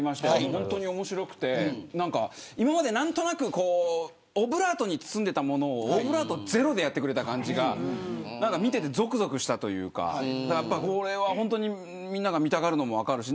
本当に面白くて、今まで何となくオブラートに包んでいたものをオブラートゼロでやってくれた感じが見ていてぞくぞくしたというかみんなが見たがるのも分かるし。